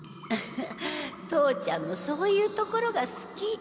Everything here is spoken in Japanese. フフ父ちゃんのそういうところがすき。